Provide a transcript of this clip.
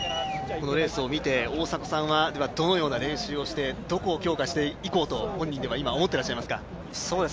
このレースを見て、大迫さん、どのような練習をしてどこを強化していこうと今、思ってらっしゃいますか。